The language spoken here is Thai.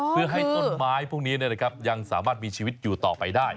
เพื่อให้ต้นไม้พวกนี้ยังสามารถมีชีวิตอยู่ต่อไปได้